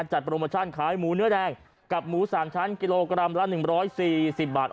โปรโมชั่นขายหมูเนื้อแดงกับหมู๓ชั้นกิโลกรัมละ๑๔๐บาท